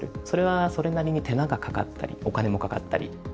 それはそれなりに手間がかかったりお金もかかったり。